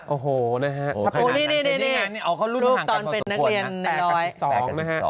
โอ้โหนะฮะโอ้นี่โอ้ค่ะรูปตอนเป็นนักเรียนประโยชน์นะ๘๐๒นะฮะ